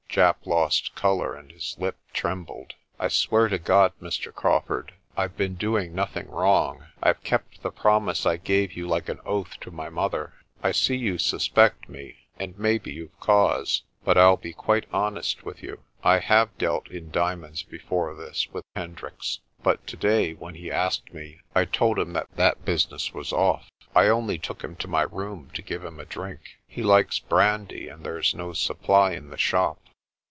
Japp lost colour and his lip trembled. "I swear to God, Mr. Crawfurd, Pve been doing nothing wrong. Pve kept the promise I gave you like an oath to my mother. I see you suspect me, and maybe you've cause, but I'll be quite honest with you. I have dealt in diamonds before this with Hendricks. But to day, when he asked me, I told him that that business was off. I only took him to my room to give him a drink. He likes brandy, and there's no supply in the shop."